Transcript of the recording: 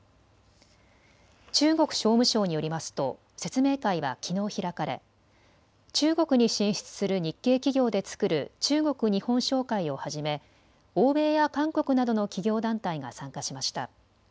中国商務省によりますと説明会はきのう開かれ中国に進出する日系企業で作る中国日本商会をはじめ欧米や韓国などの企業団体が参加しました。